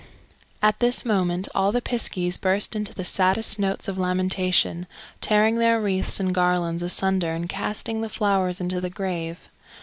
At this moment all the piskies burst into the saddest notes of lamentation, tearing their wreaths and garlands asunder and casting the flowers into the grave.